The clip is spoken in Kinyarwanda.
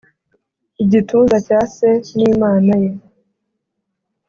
igituza cya se n'imana ye.